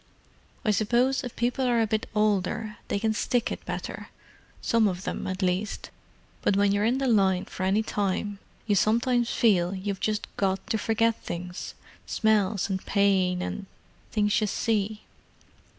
I suppose if people are a bit older they can stick it better—some of them, at least. But when you're in the line for any time, you sometimes feel you've just got to forget things—smells and pain, and—things you see."